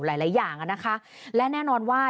หลายหลายอย่างอ่ะนะคะและแน่นอนว่า